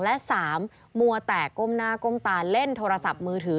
และสามมัวแตกก้มหน้าก้มตาเล่นโทรศัพท์มือถือ